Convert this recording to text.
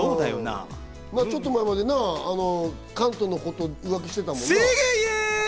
ちょっと前まで関東の子と浮気してたもんな。